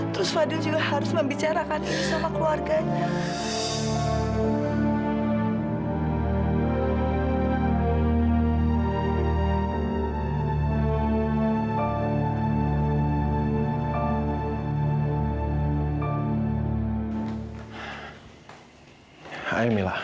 terus fadil juga harus membicarakan ini sama keluarganya